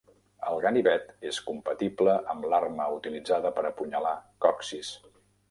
El ganivet és compatible amb l'arma utilitzada per apunyalar Kocis.